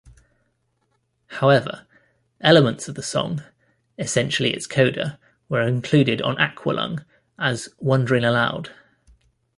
However, elements of the song-essentially its coda-were included on "Aqualung" as "Wond'ring Aloud".